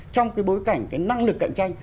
trong cái bối cảnh cái năng lực cạnh tranh